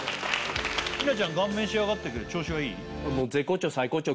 稲ちゃん顔面仕上がってるけど調子がいい？